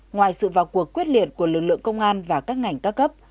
ngoài sự vào cuộc quyết liệt của lực lượng công an và các ngành ca cấp